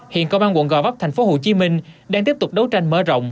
hiện công an quận gò vấp tp hcm đang tiếp tục đấu tranh mở rộng